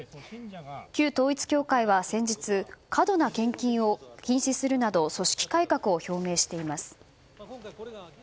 旧統一教会は先日過度な献金を禁止するなど組織改革を表明しています。